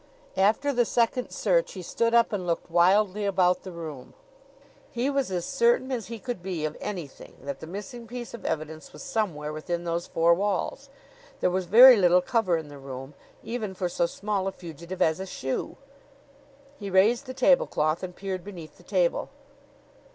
After the second search he stood up and looked wildly about the room. He was as certain as he could be of anything that the missing piece of evidence was somewhere within those four walls. There was very little cover in the room, even for so small a fugitive as a shoe. He raised the tablecloth and peered beneath the table.